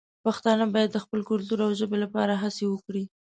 پښتانه باید د خپل کلتور او ژبې لپاره هڅې وکړي.